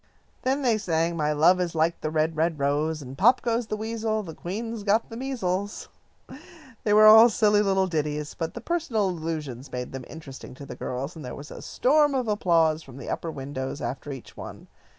Then they sang, "My love is like the red, red rose" and "Pop goes the weasel, the queen's got the measles." They were all silly little ditties, but the personal allusions made them interesting to the girls, and there was a storm of applause from the upper windows after each one.